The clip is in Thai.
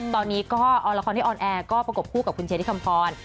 ตอนนี้ก็เอาละครที่ออนแอร์ก็ประกบคู่กับคุณเชฟที่คำพร